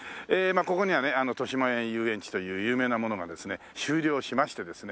ここにはねとしまえん遊園地という有名なものがですね終了しましてですね